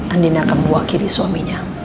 andin akan mewakili suaminya